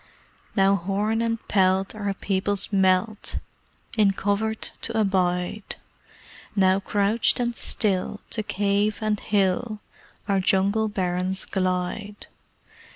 Now horn and pelt our peoples melt In covert to abide; Now, crouched and still, to cave and hill Our Jungle Barons glide.